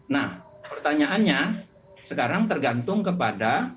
nah pertanyaannya sekarang tergantung kepada